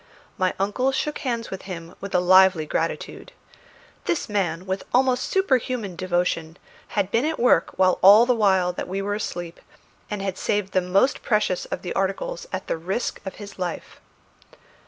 My uncle shook hands with him with a lively gratitude. This man, with almost superhuman devotion, had been at work all the while that we were asleep, and had saved the most precious of the articles at the risk of his life.